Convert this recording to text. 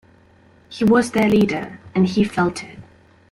He was their leader, and he felt it.